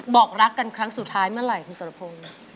บอกรักกันครั้งสุดท้ายเมื่อไหร่คุณสรพงศ์